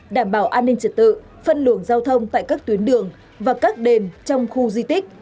đảm bảo an ninh trật tự phân luồng giao thông tại các tuyến đường và các đền trong khu di tích